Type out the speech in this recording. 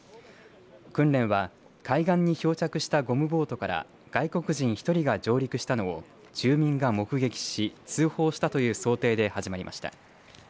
訓練は海岸に漂着したゴムボートから外国人１人が上陸したのを住民が目撃し、通報したという想定で始まりました。